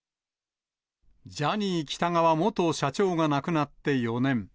ジャニー喜多川元社長が亡くなって４年。